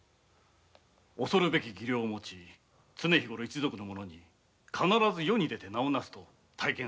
恐るべき技量を持ち常日ごろ一族の者に「必ず世に出て名をなす」と大言壮語していたとか。